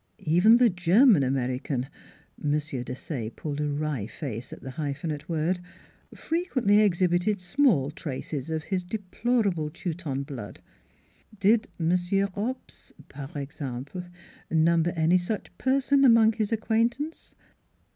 Even the German American M. Desaye pulled a wry face at the hyphenate word fre quently exhibited small traces of his deplorable Teuton blood. ... Did M. Hobbs, par ex ample, number any such person among his acquaintance?